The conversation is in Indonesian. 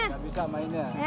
nggak bisa mainnya